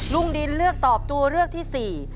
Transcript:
ลุงดินเลือกตอบตัวเลือกที่สี่